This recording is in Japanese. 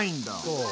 そう。